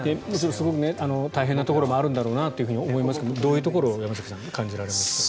大変なところもあるんだなと思いましたがどういうところを山崎さん感じられますか。